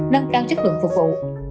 nâng cao chất lượng phục vụ